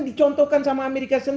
dicontohkan sama amerika